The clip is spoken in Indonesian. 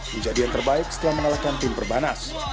menjadi yang terbaik setelah mengalahkan tim perbanas